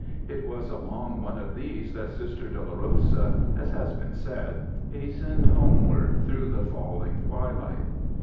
It was along one of these that Sister Dolorosa, as has been said, hastened homeward through the falling twilight.